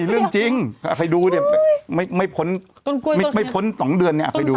มีเรื่องจริงไม่พ้น๒เดือนไหนอากาศดู